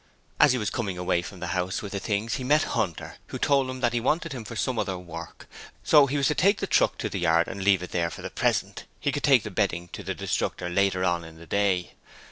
As he was coming away from the house with the things he met Hunter, who told him that he wanted him for some other work; so he was to take the truck to the yard and leave it there for the present; he could take the bedding to the Destructor later on in the day.